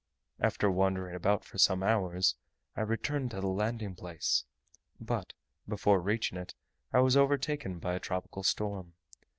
After wandering about for some hours, I returned to the landing place; but, before reaching it, I was overtaken by a tropical storm.